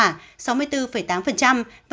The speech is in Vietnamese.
sáu mươi bốn ba tập trung nhiều nhất trong khu phong tỏa